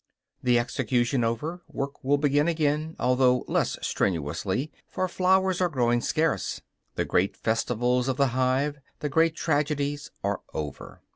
The execution over, work will begin again, although less strenuously, for flowers are growing scarce. The great festivals of the hive, the great tragedies, are over.